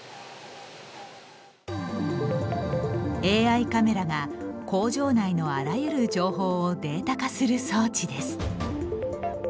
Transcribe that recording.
ＡＩカメラが工場内のあらゆる情報をデータ化する装置です。